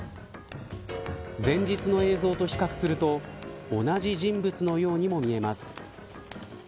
前日の映像と比較すると同じ人物のようにも見えます。